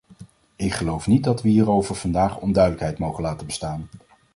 Ik geloof niet dat we hierover vandaag onduidelijkheid mogen laten bestaan.